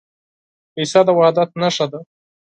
پسه د وحدت نښه ده.